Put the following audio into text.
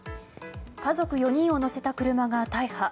家族４人を乗せた車が大破。